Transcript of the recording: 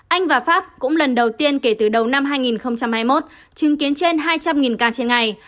anh và pháp cũng lần đầu tiên kể từ đầu năm hai nghìn hai mươi một chứng kiến trên hai trăm linh ca trên ngày